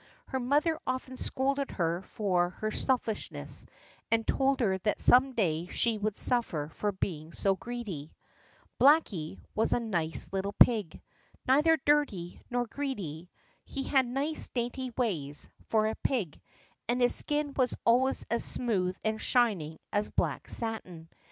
Her mother often scolded her for her selfishness, and told her that some day she would suffer for being so greedy. Blacky was a nice little pig, neither dirty nor greedy. He had nice dainty ways, for a pig, and his skin was always as smooth and shining as black satin.